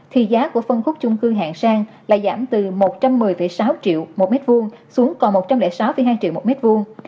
thì giá của phân khúc chung cư hạng sang lại giảm từ một trăm một mươi sáu triệu một mét vuông xuống còn một trăm linh sáu hai triệu một mét vuông